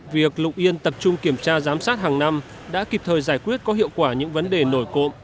việc lục yên tập trung kiểm tra giám sát hàng năm đã kịp thời giải quyết có hiệu quả những vấn đề nổi cộng